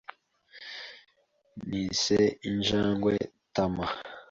Nise injangwe Tama .